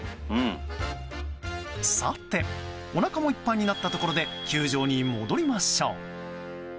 さて、おなかもいっぱいになったところで球場に戻りましょう。